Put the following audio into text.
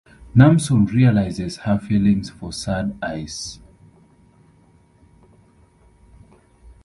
Namsoon realizes her feelings for Sad Eyes.